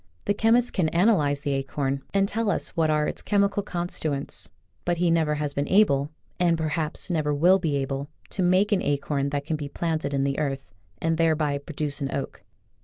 The chemist can analyze the acorn, and tell us what are its chemical constituents, but he never has been able, and perhaps never will be able, to make an acorn that can be planted in the earth and thereby produce an oak.